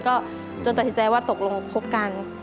ก็จนตัดสินใจว่าตกลงคบกัน